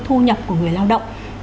thu nhập của người lao động